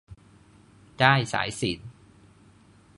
ด้ายสายสิญจน์